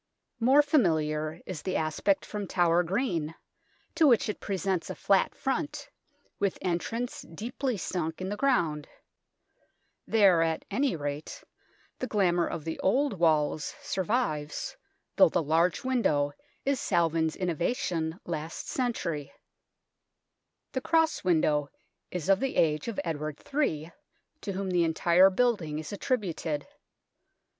More familiar is the aspect from Tower Green, to which it presents a flat front, with entrance deeply sunk in the ground. There, at any rate, the glamour of the old walls survives, though the large window is Salvin's innovation last century. The cross window is of the age of Edward III, to whom the entire building is attributed.